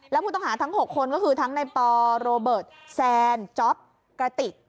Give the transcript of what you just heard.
แล้วผู้ต้องหาทั้ง๖คนก็คือทั้งในปอโรเบิร์ตแซนจ๊อปกระติก